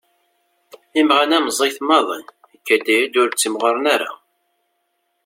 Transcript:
Imaɣan-a meẓẓiyit maḍi, ikad-yi-d ur ttimɣuren ara.